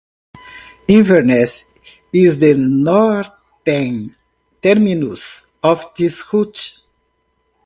Inverness is the northern terminus of this route.